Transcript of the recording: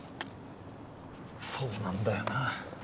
そうなんだよな。